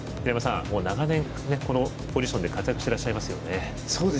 長年、このポジションで活躍してらっしゃいますよね。